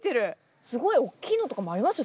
すごい大きいのとかもありますよ